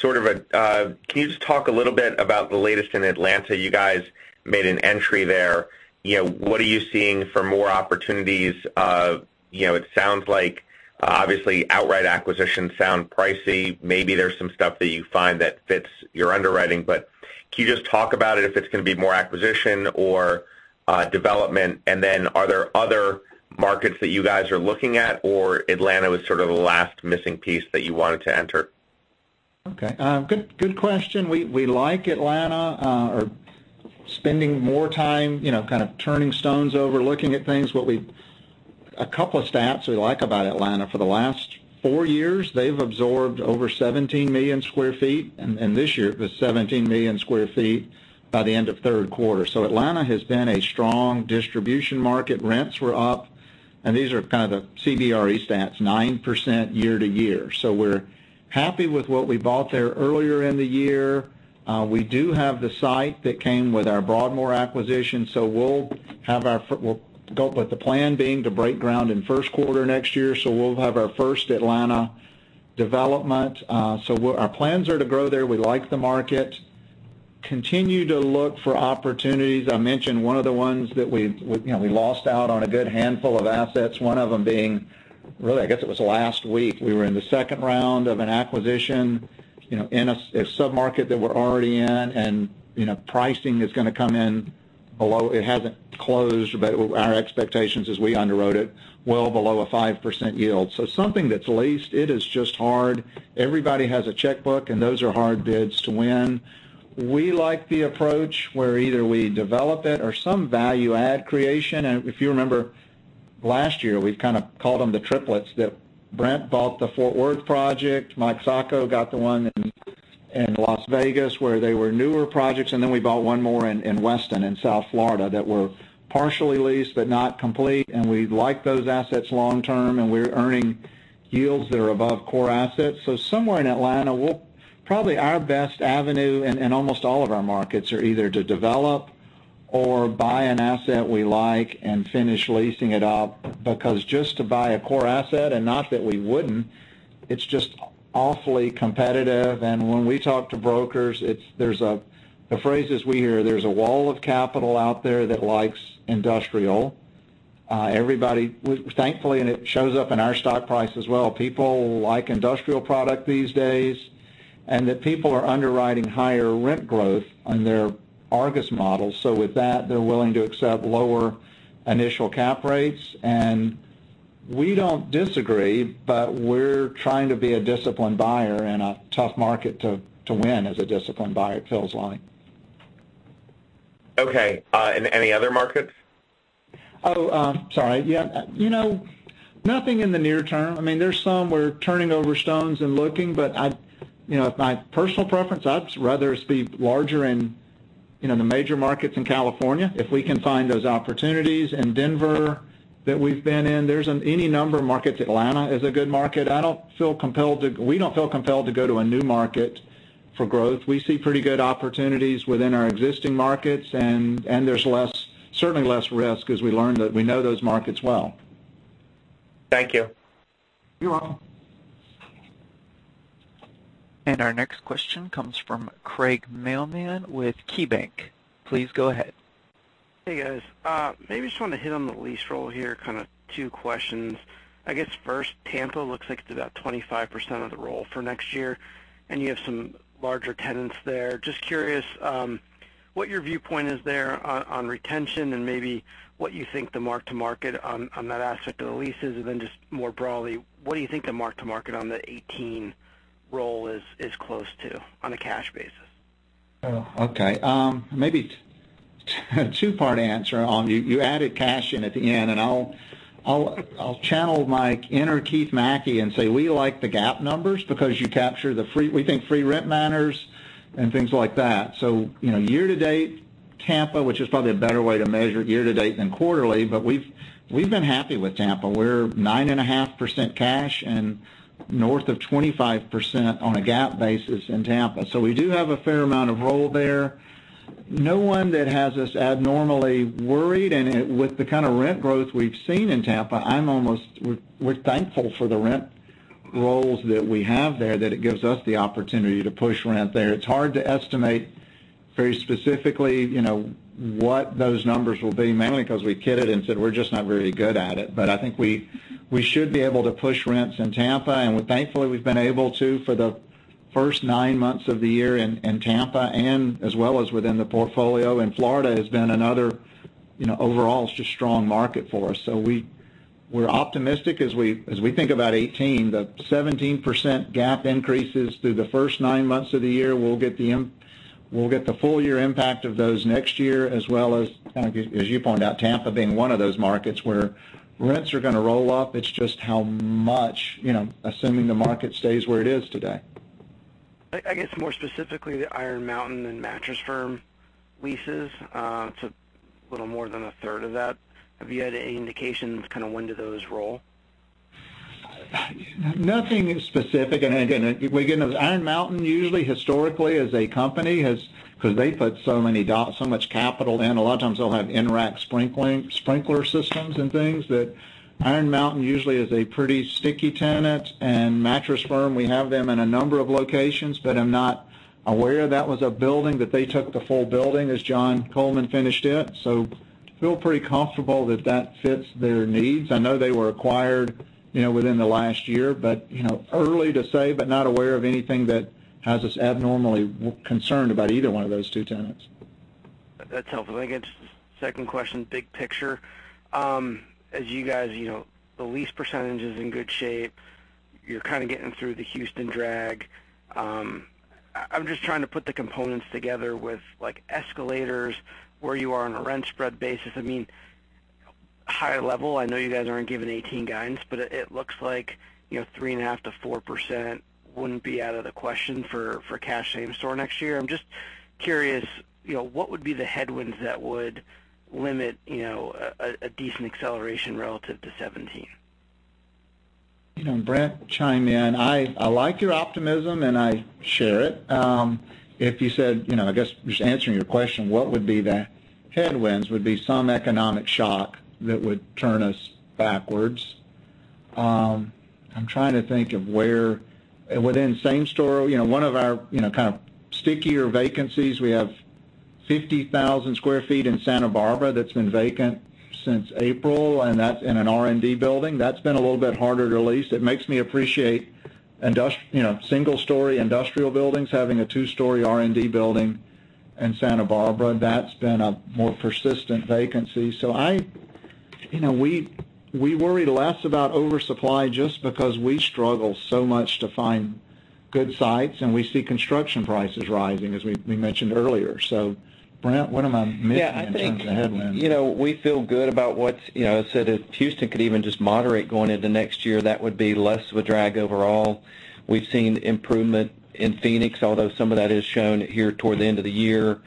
Speaker 8: sort of, can you just talk a little bit about the latest in Atlanta? You guys made an entry there. What are you seeing for more opportunities? It sounds like, obviously, outright acquisitions sound pricey. Maybe there's some stuff that you find that fits your underwriting. Can you just talk about it, if it's going to be more acquisition or development? Are there other markets that you guys are looking at, or Atlanta was sort of the last missing piece that you wanted to enter?
Speaker 2: Okay. Good question. We like Atlanta. We are spending more time kind of turning stones over, looking at things. A couple of stats we like about Atlanta, for the last four years, they've absorbed over 17 million square feet. This year, it was 17 million square feet by the end of third quarter. Atlanta has been a strong distribution market. Rents were up, and these are kind of the CBRE stats, 9% year-to-year. We're happy with what we bought there earlier in the year. We do have the site that came with our Broadmoor acquisition, we'll go with the plan being to break ground in first quarter next year. We'll have our first Atlanta development. Our plans are to grow there. We like the market. Continue to look for opportunities. I mentioned one of the ones that we lost out on a good handful of assets, one of them being, really, I guess it was last week. We were in the second round of an acquisition, in a sub-market that we're already in, pricing is going to come in below. It hasn't closed, our expectations as we underwrote it, well below a 5% yield. Something that's leased, it is just hard. Everybody has a checkbook, those are hard bids to win. We like the approach where either we develop it or some value-add creation. If you remember last year, we kind of called them the triplets, that Brent bought the Fort Worth project, Mike Sacco got the one in Las Vegas, where they were newer projects, we bought one more in Weston, in South Florida, that were partially leased but not complete. We like those assets long-term, we're earning yields that are above core assets. Somewhere in Atlanta. Probably our best avenue in almost all of our markets are either to develop or buy an asset we like and finish leasing it up, because just to buy a core asset, not that we wouldn't, it's just awfully competitive. When we talk to brokers, the phrases we hear, there's a wall of capital out there that likes industrial. Everybody, thankfully, it shows up in our stock price as well, people like industrial product these days, people are underwriting higher rent growth on their ARGUS models. With that, they're willing to accept lower initial cap rates. We don't disagree, we're trying to be a disciplined buyer in a tough market to win as a disciplined buyer, it feels like.
Speaker 8: Okay. Any other markets?
Speaker 2: Oh, sorry. Yeah. Nothing in the near term. There's some. We're turning over stones and looking, but my personal preference, I'd rather us be larger in the major markets in California, if we can find those opportunities. In Denver, that we've been in. There's any number of markets. Atlanta is a good market. We don't feel compelled to go to a new market for growth. We see pretty good opportunities within our existing markets, and there's certainly less risk as we learn that we know those markets well.
Speaker 8: Thank you.
Speaker 2: You're welcome.
Speaker 1: Our next question comes from Craig Mailman with KeyBank. Please go ahead.
Speaker 9: Hey, guys. Maybe just want to hit on the lease roll here, kind of two questions. I guess first, Tampa looks like it's about 25% of the roll for next year, and you have some larger tenants there. Just curious what your viewpoint is there on retention and maybe what you think the mark to market on that aspect of the lease is. Then just more broadly, what do you think the mark to market on the 2018 roll is close to on a cash basis?
Speaker 2: Oh, okay. Maybe a two-part answer. You added cash in at the end, I'll channel my inner Keith McKey and say we like the GAAP numbers because you capture the, we think, free rent matters and things like that. Year to date, Tampa, which is probably a better way to measure year to date than quarterly, but we've been happy with Tampa. We're 9.5% cash and north of 25% on a GAAP basis in Tampa. We do have a fair amount of roll there. No one that has us abnormally worried. With the kind of rent growth we've seen in Tampa, we're thankful for the rent rolls that we have there, that it gives us the opportunity to push rent there. It's hard to estimate very specifically what those numbers will be, mainly because we kidded and said we're just not very good at it. I think we should be able to push rents in Tampa, thankfully, we've been able to for the first nine months of the year in Tampa, as well as within the portfolio. Florida has been another overall just strong market for us. We're optimistic as we think about 2018. The 17% GAAP increases through the first nine months of the year. We'll get the full year impact of those next year, as well as, kind of as you pointed out, Tampa being one of those markets where rents are going to roll up. It's just how much, assuming the market stays where it is today.
Speaker 9: I guess more specifically, the Iron Mountain and Mattress Firm leases. It's a little more than a third of that. Have you had any indications kind of when do those roll?
Speaker 2: Nothing specific. Again, Iron Mountain usually historically as a company has Because they put so much capital in. A lot of times they'll have in-rack sprinkler systems and things. That Iron Mountain usually is a pretty sticky tenant. And Mattress Firm, we have them in a number of locations, but I'm not aware. That was a building that they took the full building as John Coleman finished it. Feel pretty comfortable that that fits their needs. I know they were acquired within the last year. Early to say, but not aware of anything that has us abnormally concerned about either one of those two tenants.
Speaker 9: That's helpful. I guess just second question, big picture. As you guys, the lease percentage is in good shape. You're kind of getting through the Houston drag. I'm just trying to put the components together with escalators, where you are on a rent spread basis. High level, I know you guys aren't giving 2018 guidance, but it looks like, 3.5%-4% wouldn't be out of the question for cash same store next year. I'm just curious, what would be the headwinds that would limit, a decent acceleration relative to 2017?
Speaker 2: Brent, chime in. I like your optimism, I share it. If you said, just answering your question, what would be the headwinds would be some economic shock that would turn us backwards. I'm trying to think of where within same store, one of our, kind of stickier vacancies, we have 50,000 sq ft in Santa Barbara that's been vacant since April, and that's in an R&D building. That's been a little bit harder to lease. It makes me appreciate, single story industrial buildings having a two-story R&D building in Santa Barbara. That's been a more persistent vacancy. We worry less about oversupply just because we struggle so much to find good sites, we see construction prices rising as we mentioned earlier. Brent, what am I missing in terms of headwinds?
Speaker 4: We feel good about what I said if Houston could even just moderate going into next year, that would be less of a drag overall. We've seen improvement in Phoenix, although some of that is shown here toward the end of the year.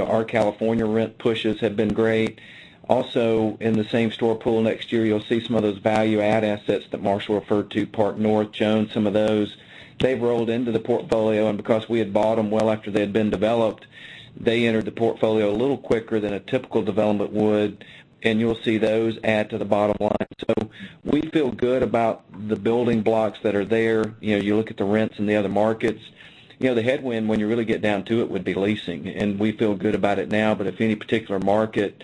Speaker 4: Our California rent pushes have been great. In the same store pool next year, you'll see some of those value-add assets that Marshall referred to, Park North, Jones, some of those. They've rolled into the portfolio, because we had bought them well after they had been developed, they entered the portfolio a little quicker than a typical development would, you'll see those add to the bottom line. We feel good about the building blocks that are there. You look at the rents in the other markets. The headwind, when you really get down to it, would be leasing. We feel good about it now, if any particular market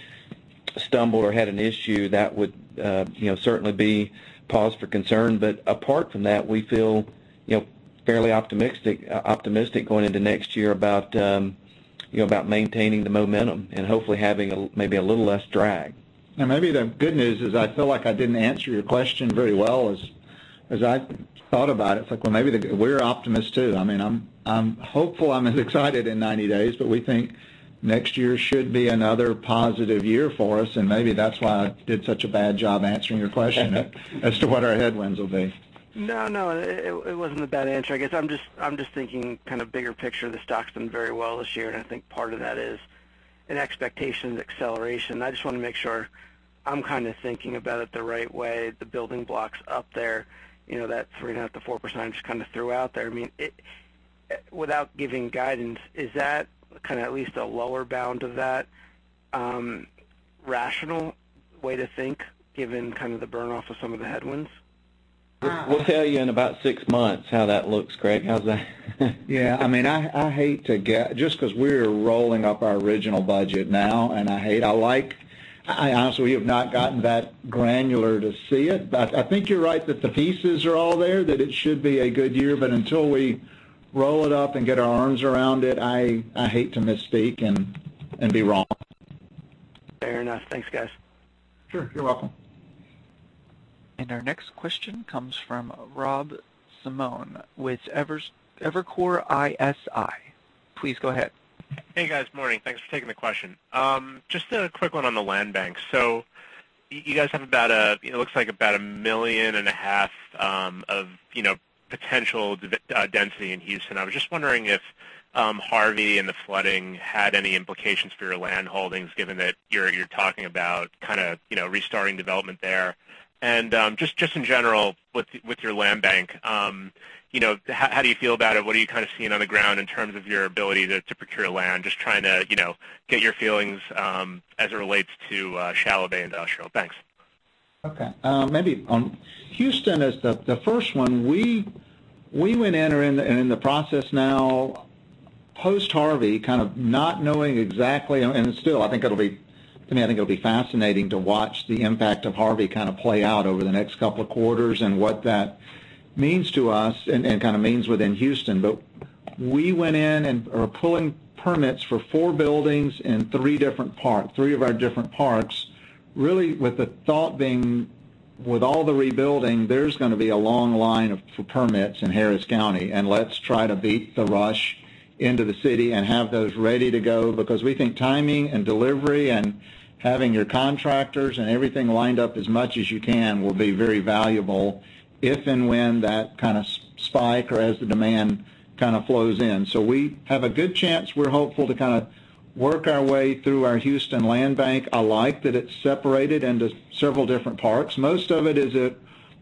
Speaker 4: stumbled or had an issue, that would certainly be cause for concern. Apart from that, we feel fairly optimistic going into next year about maintaining the momentum and hopefully having maybe a little less drag.
Speaker 2: Maybe the good news is I feel like I didn't answer your question very well as I thought about it. Maybe we're optimists too. I'm hopeful I'm as excited in 90 days, we think next year should be another positive year for us, maybe that's why I did such a bad job answering your question as to what our headwinds will be.
Speaker 9: No, it wasn't a bad answer. I guess I'm just thinking kind of bigger picture. The stock's done very well this year, I think part of that is an expectation acceleration. I just want to make sure I'm kind of thinking about it the right way. The building blocks up there, that 3.5%-4%, I'm just kind of threw out there. Without giving guidance, is that kind of at least a lower bound of that, rational way to think given kind of the burn-off of some of the headwinds?
Speaker 2: We'll tell you in about six months how that looks, Craig. How's that?
Speaker 4: Yeah.
Speaker 2: Just because we're rolling up our original budget now, I honestly have not gotten that granular to see it. I think you're right that the pieces are all there, that it should be a good year. Until we roll it up and get our arms around it, I hate to mistake and be wrong.
Speaker 9: Fair enough. Thanks, guys.
Speaker 2: Sure. You're welcome.
Speaker 1: Our next question comes from Robert Simone with Evercore ISI. Please go ahead.
Speaker 10: Hey, guys. Morning. Thanks for taking the question. Just a quick one on the land bank. You guys have about, it looks like about a million and a half of potential density in Houston. I was just wondering if Harvey and the flooding had any implications for your land holdings, given that you're talking about kind of restarting development there. Just in general with your land bank, how do you feel about it? What are you kind of seeing on the ground in terms of your ability to procure land? Just trying to get your feelings as it relates to shallow bay industrial. Thanks.
Speaker 2: Okay. Houston is the first one. We went in, are in the process now post-Harvey, kind of not knowing exactly, and still, I think it'll be fascinating to watch the impact of Harvey kind of play out over the next couple of quarters and what that means to us and kind of means within Houston. We went in and are pulling permits for four buildings in three of our different parks, really with the thought being with all the rebuilding, there's going to be a long line for permits in Harris County, and let's try to beat the rush into the city and have those ready to go, because we think timing and delivery and having your contractors and everything lined up as much as you can will be very valuable if and when that kind of spike or as the demand kind of flows in. We have a good chance, we're hopeful to kind of work our way through our Houston land bank. I like that it's separated into several different parks. Most of it is at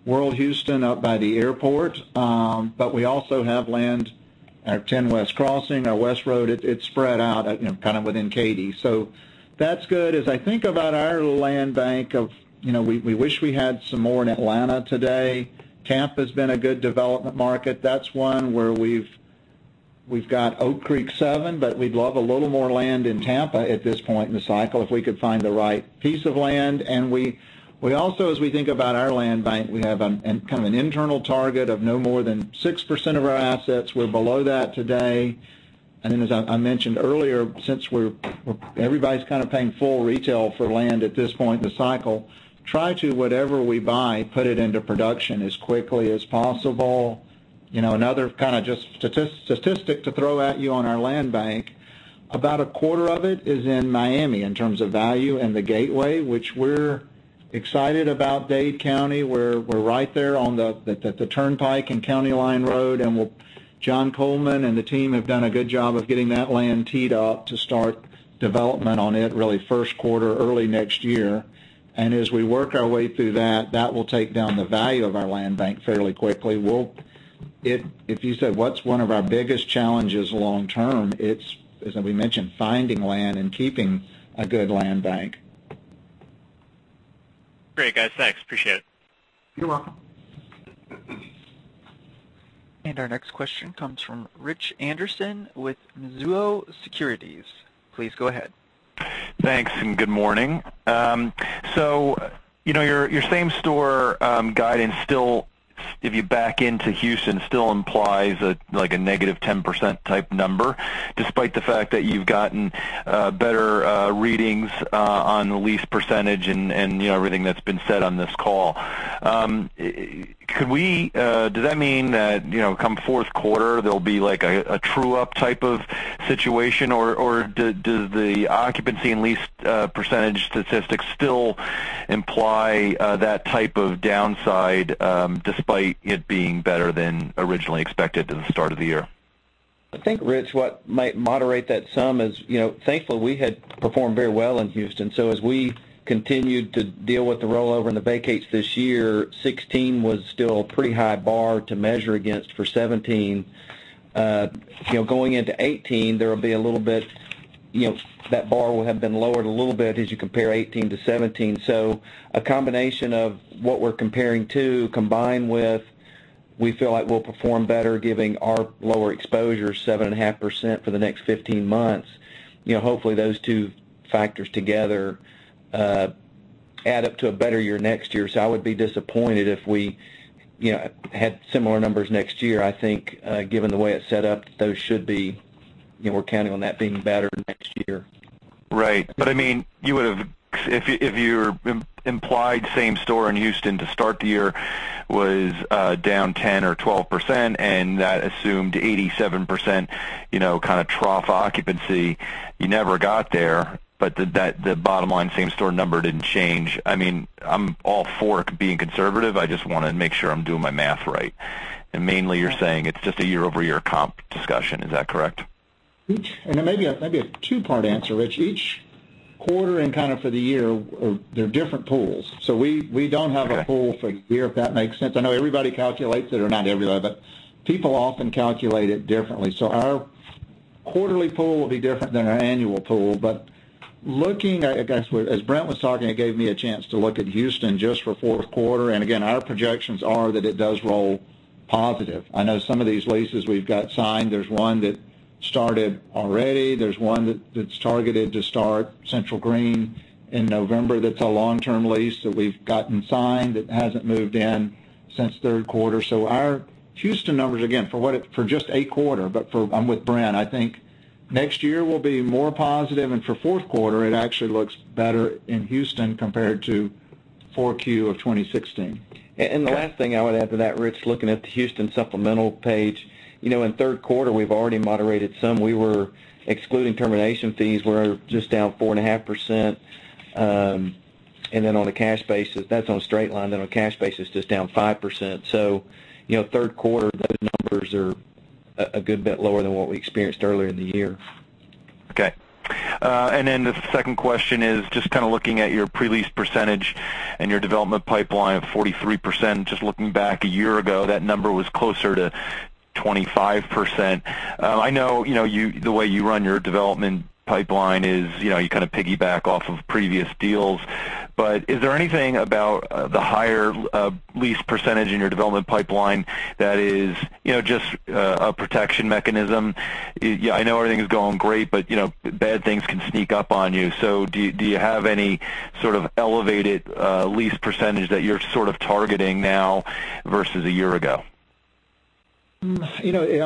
Speaker 2: World Houston out by the airport. We also have land at 10 West Crossing, our West Road. It's spread out, kind of within Katy. That's good. As I think about our land bank of, we wish we had some more in Atlanta today. Tampa's been a good development market. That's one where we've got Oak Creek seven, but we'd love a little more land in Tampa at this point in the cycle, if we could find the right piece of land. We also, as we think about our land bank, we have kind of an internal target of no more than 6% of our assets. We're below that today. As I mentioned earlier, since everybody's kind of paying full retail for land at this point in the cycle, try to, whatever we buy, put it into production as quickly as possible. Another statistic to throw at you on our land bank, about a quarter of it is in Miami in terms of value and the gateway, which we're excited about Dade County, where we're right there on the Turnpike and County Line Road. John Coleman and the team have done a good job of getting that land teed up to start development on it really first quarter early next year. As we work our way through that will take down the value of our land bank fairly quickly. If you said, "What's one of our biggest challenges long-term?" It's, as we mentioned, finding land and keeping a good land bank.
Speaker 10: Great, guys. Thanks. Appreciate it.
Speaker 2: You're welcome.
Speaker 1: Our next question comes from Richard Anderson with Mizuho Securities. Please go ahead.
Speaker 11: Thanks, and good morning. Your same-store guidance, if you back into Houston, still implies a negative 10%-type number, despite the fact that you've gotten better readings on the lease percentage and everything that's been said on this call. Does that mean that come fourth quarter, there'll be a true-up type of situation, or does the occupancy and lease percentage statistics still imply that type of downside, despite it being better than originally expected at the start of the year?
Speaker 4: I think, Rich, what might moderate that some is, thankfully, we had performed very well in Houston. As we continued to deal with the rollover and the vacates this year, 2016 was still a pretty high bar to measure against for 2017. Going into 2018, that bar will have been lowered a little bit as you compare 2018 to 2017. A combination of what we're comparing to, combined with, we feel like we'll perform better giving our lower exposure, 7.5% for the next 15 months. Hopefully, those two factors together add up to a better year next year. I would be disappointed if we had similar numbers next year. I think, given the way it's set up, we're counting on that being better next year.
Speaker 11: Right. If your implied same store in Houston to start the year was down 10 or 12%, and that assumed 87% kind of trough occupancy, you never got there, but the bottom line same-store number didn't change. I'm all for it being conservative. I just want to make sure I'm doing my math right. Mainly, you're saying it's just a year-over-year comp discussion. Is that correct?
Speaker 2: It may be a two-part answer, Rich. Each quarter and kind of for the year, they're different pools. We don't have a pool for year, if that makes sense. I know everybody calculates it, or not everybody, but people often calculate it differently. Our quarterly pool will be different than our annual pool. As Brent was talking, it gave me a chance to look at Houston just for fourth quarter. Again, our projections are that it does roll positive. I know some of these leases we've got signed. There's one that started already. There's one that's targeted to start, Central Green, in November. That's a long-term lease that we've gotten signed that hasn't moved in since third quarter. Our Houston numbers, again, for just a quarter. I'm with Brent. I think next year will be more positive. For fourth quarter, it actually looks better in Houston compared to 4Q 2016.
Speaker 4: The last thing I would add to that, Rich, looking at the Houston supplemental page. In third quarter, we've already moderated some. Excluding termination fees, we're just down 4.5%. On a cash basis, that's on straight line. On a cash basis, just down 5%. Third quarter, those numbers are a good bit lower than what we experienced earlier in the year.
Speaker 11: Okay. The second question is just kind of looking at your pre-lease percentage and your development pipeline of 43%. Just looking back a year ago, that number was closer to 25%. I know the way you run your development pipeline is you kind of piggyback off of previous deals. Is there anything about the higher lease percentage in your development pipeline that is just a protection mechanism? I know everything's going great. Bad things can sneak up on you. Do you have any sort of elevated lease percentage that you're sort of targeting now versus a year ago?
Speaker 2: I'm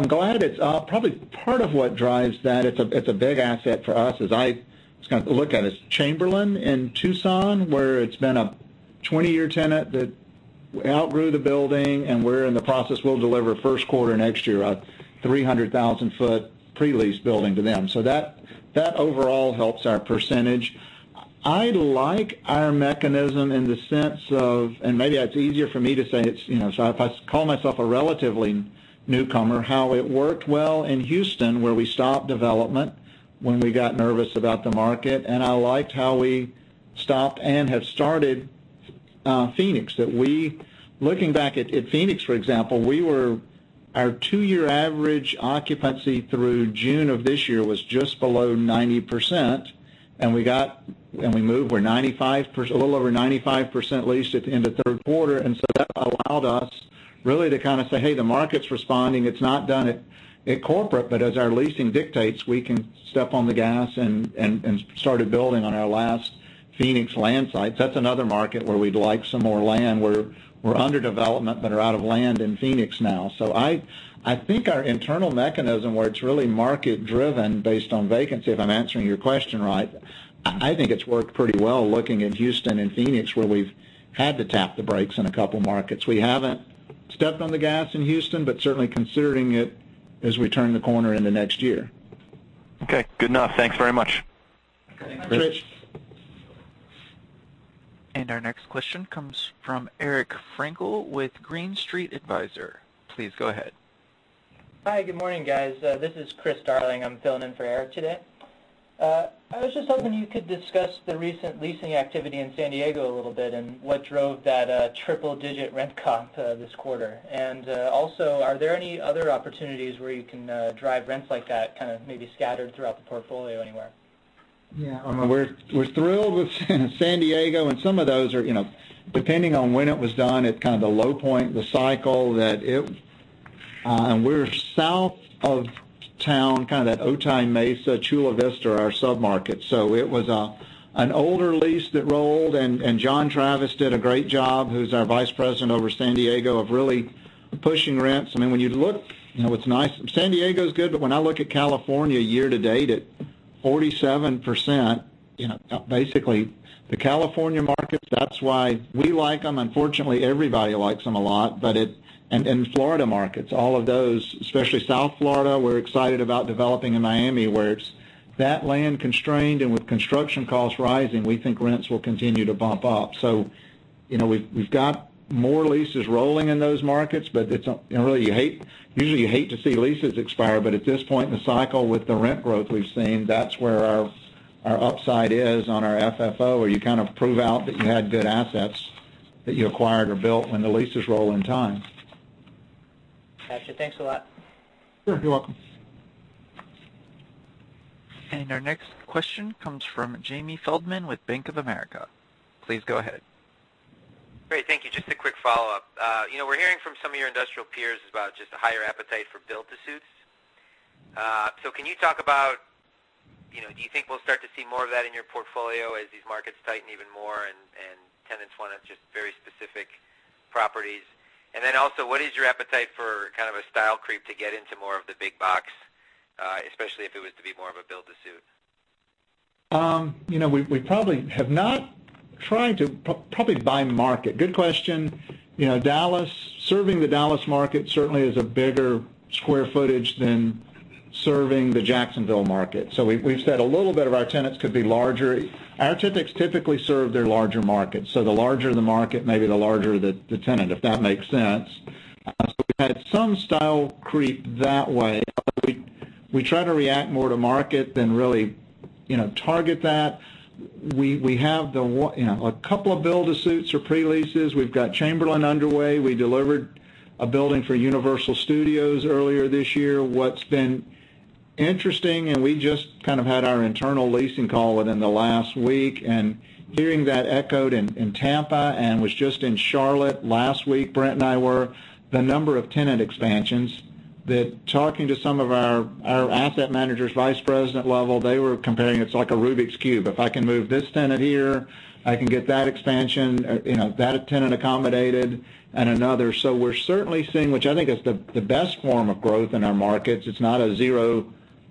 Speaker 2: glad of it. Probably part of what drives that, it's a big asset for us, as I look at it, is Chamberlain in Tucson, where it's been a 20-year tenant that outgrew the building. We're in the process. We'll deliver first quarter next year, a 300,000-foot pre-lease building to them. That overall helps our percentage. I like our mechanism in the sense of, maybe it's easier for me to say it, if I call myself a relative newcomer, how it worked well in Houston, where we stopped development when we got nervous about the market. I liked how we stopped and have started Phoenix. Looking back at Phoenix, for example, our two-year average occupancy through June of this year was just below 90%. We moved. We're a little over 95% leased into third quarter, that allowed us really to kind of say, "Hey, the market's responding." It's not done at corporate, but as our leasing dictates, we can step on the gas and started building on our last Phoenix land site. That's another market where we'd like some more land. We're under development but are out of land in Phoenix now. I think our internal mechanism, where it's really market driven based on vacancy, if I'm answering your question right, I think it's worked pretty well looking at Houston and Phoenix, where we've had to tap the brakes in a couple markets. Stepped on the gas in Houston, but certainly considering it as we turn the corner into next year.
Speaker 11: Okay. Good enough. Thanks very much.
Speaker 2: Thanks, Rich.
Speaker 1: Our next question comes from Eric Frankel with Green Street Advisors. Please go ahead.
Speaker 12: Hi. Good morning, guys. This is Chris Darling, I'm filling in for Eric today. I was just hoping you could discuss the recent leasing activity in San Diego a little bit, and what drove that triple-digit rent comp this quarter. Are there any other opportunities where you can drive rents like that, kind of maybe scattered throughout the portfolio anywhere?
Speaker 2: Yeah. We're thrilled with San Diego, some of those are, depending on when it was done, at kind of the low point in the cycle. We're south of town, kind of that Otay Mesa, Chula Vista, are our sub-markets. It was an older lease that rolled, John Travis did a great job, who's our vice president over San Diego, of really pushing rents. San Diego's good, when I look at California year-to-date at 47%, basically the California markets, that's why we like them. Unfortunately, everybody likes them a lot. Florida markets, all of those, especially South Florida. We're excited about developing in Miami, where it's that land-constrained, and with construction costs rising, we think rents will continue to bump up. We've got more leases rolling in those markets. Usually you hate to see leases expire, at this point in the cycle with the rent growth we've seen, that's where our upside is on our FFO, where you kind of prove out that you had good assets that you acquired or built when the leases roll in time.
Speaker 12: Gotcha. Thanks a lot.
Speaker 2: Sure. You're welcome.
Speaker 1: Our next question comes from Jamie Feldman with Bank of America. Please go ahead.
Speaker 5: Great. Thank you. Just a quick follow-up. We're hearing from some of your industrial peers about just a higher appetite for build to suits. Can you talk about, do you think we'll start to see more of that in your portfolio as these markets tighten even more and tenants want just very specific properties? Also, what is your appetite for kind of a style creep to get into more of the big box, especially if it was to be more of a build to suit?
Speaker 2: Probably by market. Good question. Serving the Dallas market certainly is a bigger square footage than serving the Jacksonville market. We've said a little bit of our tenants could be larger. Our tenants typically serve their larger markets. The larger the market, maybe the larger the tenant, if that makes sense. We've had some style creep that way. We try to react more to market than really target that. We have a couple of build to suits or pre-leases. We've got Chamberlain underway. We delivered a building for Universal Studios earlier this year. What's been interesting, we just kind of had our internal leasing call within the last week, hearing that echoed in Tampa, was just in Charlotte last week. The number of tenant expansions, that talking to some of our asset managers, vice president level, they were comparing, it's like a Rubik's Cube. If I can move this tenant here, I can get that expansion, that tenant accommodated, and another. We're certainly seeing, which I think is the best form of growth in our markets. It's not a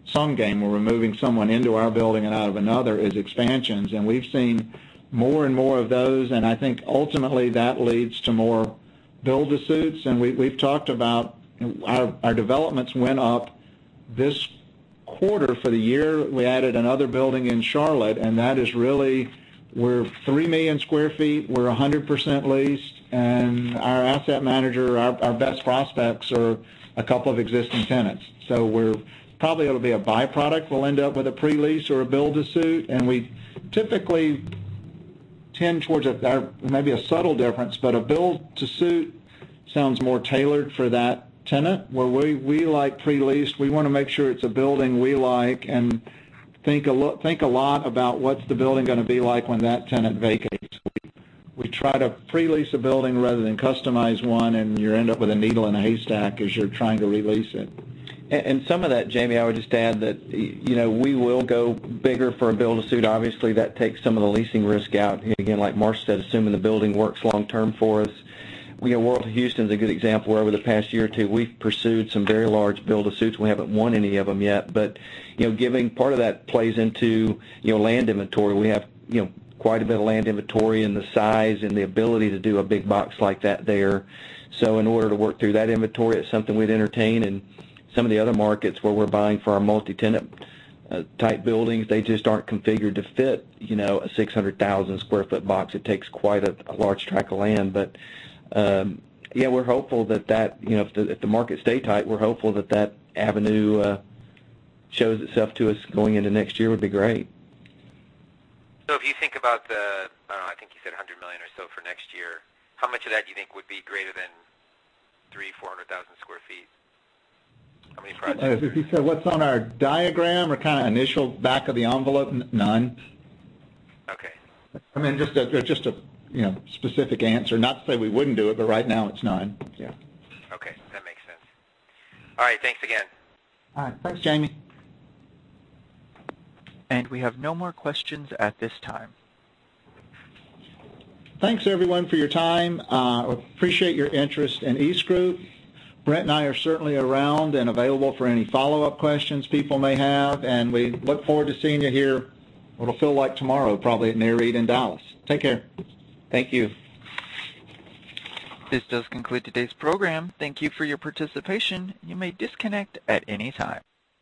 Speaker 2: zero-sum game where we're moving someone into our building and out of another, is expansions. We've seen more and more of those, and I think ultimately, that leads to more build-to-suits. We've talked about our developments went up this quarter for the year. We added another building in Charlotte. We're 3 million sq ft. We're 100% leased. Our asset manager, our best prospects are a couple of existing tenants. Probably it'll be a byproduct. We'll end up with a pre-lease or a build-to-suit. We typically tend towards, it may be a subtle difference, but a build-to-suit sounds more tailored for that tenant. We like pre-leased, we want to make sure it's a building we like, and think a lot about what's the building going to be like when that tenant vacates. We try to pre-lease a building rather than customize one. You end up with a needle in a haystack as you're trying to re-lease it. Some of that, Jamie, I would just add that, we will go bigger for a build-to-suit. Obviously, that takes some of the leasing risk out. Again, like Marsh said, assuming the building works long-term for us. World of Houston's a good example, where over the past year or two, we've pursued some very large build-to-suits, and we haven't won any of them yet. Part of that plays into land inventory. We have quite a bit of land inventory in the size and the ability to do a big box like that there. In order to work through that inventory, it's something we'd entertain. In some of the other markets where we're buying for our multi-tenant type buildings, they just aren't configured to fit a 600,000 sq ft box. It takes quite a large tract of land. If the markets stay tight, we're hopeful that that avenue shows itself to us going into next year, would be great.
Speaker 5: If you think about the, I think you said $100 million or so for next year, how much of that do you think would be greater than 300,000 sq ft, 400,000 sq ft? How many projects-
Speaker 2: If you said what's on our diagram or kind of initial back of the envelope, none.
Speaker 5: Okay.
Speaker 2: Just a specific answer. Not to say we wouldn't do it. Right now it's none. Yeah.
Speaker 5: Okay. That makes sense. All right. Thanks again.
Speaker 2: All right. Thanks, Jamie.
Speaker 1: We have no more questions at this time.
Speaker 2: Thanks everyone for your time. Appreciate your interest in EastGroup. Brent and I are certainly around and available for any follow-up questions people may have. We look forward to seeing you here, it'll feel like tomorrow probably at NAREIT in Dallas. Take care.
Speaker 5: Thank you.
Speaker 1: This does conclude today's program. Thank you for your participation. You may disconnect at any time.